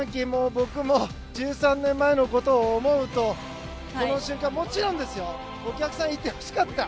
僕も１３年前のことを思うとこの瞬間にはもちろんお客さんにいてほしかった。